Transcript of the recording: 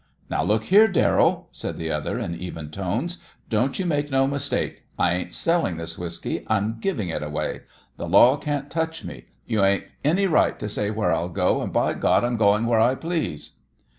"Now look here, Darrell," said the other in even tones, "don't you make no mistake. I ain't selling this whiskey; I'm giving it away. The law can't touch me. You ain't any right to say where I'll go, and, by God, I'm going where I please!"